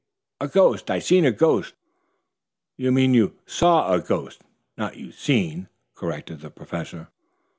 "A ghost! I seen a ghost!" "You mean you 'saw' a ghost, not you 'seen'," corrected the Professor.